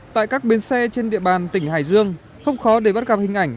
tại các bến xe trên địa bàn tỉnh hải dương không khó để bắt gặp hình ảnh